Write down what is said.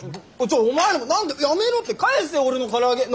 ちょっお前らも何でやめろって返せ俺のから揚げ！